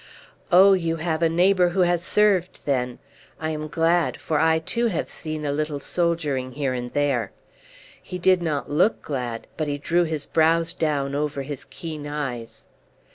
"Oh, you have a neighbour who has served then! I am glad; for I, too, have seen a little soldiering here and there." He did not look glad, but he drew his brows down over his keen eyes.